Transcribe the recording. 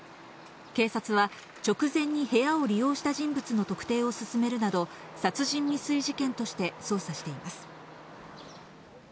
警察は直前に部屋を利用した人物の特定を進めるなど、殺人未遂事件として捜査しています。